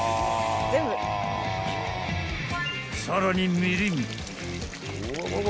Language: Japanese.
［さらにみりん］